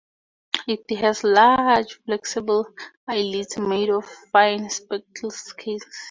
It has large, flexible eyelids made of fine speckled scales.